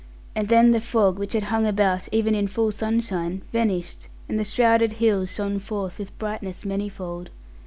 And then the fog, which had hung about (even in full sunshine) vanished, and the shrouded hills shone forth with brightness manifold.